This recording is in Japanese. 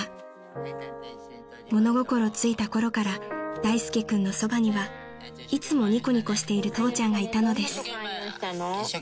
［物心ついたころから大介君のそばにはいつもニコニコしている父ちゃんがいたのです］